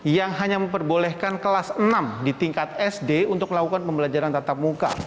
yang hanya memperbolehkan kelas enam di tingkat sd untuk melakukan pembelajaran tatap muka